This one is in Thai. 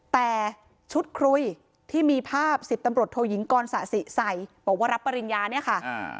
แต่ชุดคุยที่มีภาพสิบตำรวจโทยิงกรสะสิใส่บอกว่ารับปริญญาเนี่ยค่ะ